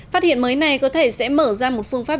phát hiện mới này có thể sẽ mở ra một phương pháp